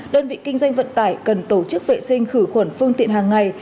đơn vị kinh doanh vận tải cần tổ chức vệ sinh khử khuẩn phương tiện hàng ngày